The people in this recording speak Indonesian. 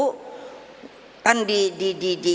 kan di di di